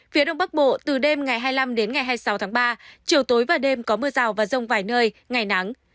phía đông bắc bộ từ đêm ngày hai mươi năm đến ngày hai mươi sáu tháng ba chiều tối và đêm có mưa rào và rông vài nơi ngày nắng